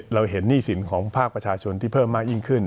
เราเห็นหนี้สินของภาคประชาชนที่เพิ่มมากยิ่งขึ้น